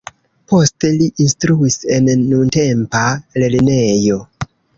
Poste li instruis en nuntempa lernejo.